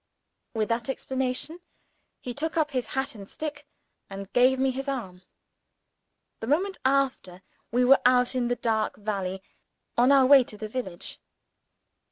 With that explanation, he took up his hat and stick, and gave me his arm. The moment after, we were out in the dark valley, on our way to the village.